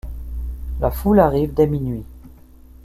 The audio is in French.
La foule arrive dès minuit.